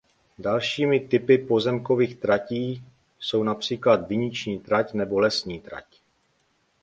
Dalšími typy pozemkových tratí jsou například viniční trať nebo lesní trať.